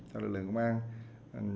sau lượng công an